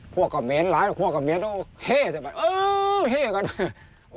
พวกเขาเหมียนหลายพวกเขาเหมียนโอ้เฮ้โอ้เฮ้